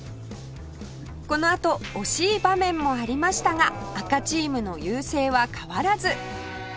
このあと惜しい場面もありましたが赤チームの優勢は変わらず